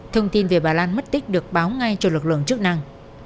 thông tin về bà lan mất tích được báo ngay cho lực lượng chức năng